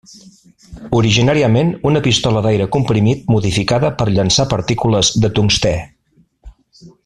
Originàriament una pistola d'aire comprimit modificada per llançar partícules de tungstè.